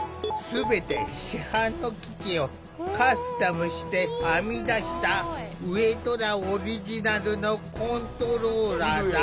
全て市販の機器をカスタムして編み出した上虎オリジナルのコントローラーだ。